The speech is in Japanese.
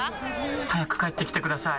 早く帰ってきてください。